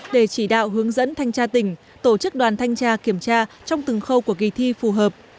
để chỉ đạo hướng dẫn thanh tra tỉnh tổ chức đoàn thanh tra kiểm tra trong từng khâu của kỳ thi phù hợp